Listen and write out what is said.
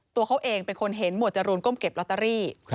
ตัวเขาเองเป็นคนเห็นหมวดจรูนก้มเก็บลอตเตอรี่